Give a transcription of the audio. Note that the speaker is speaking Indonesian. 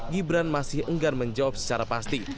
gibran masih enggan menjawab secara pasti